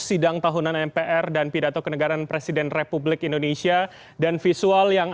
sidang tahunan mpr dan pidato kenegaran presiden republik indonesia dan visual yang